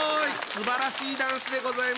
すばらしいダンスでございました。